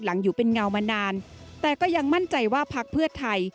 อยู่เป็นเงามานานแต่ก็ยังมั่นใจว่าพักเพื่อไทย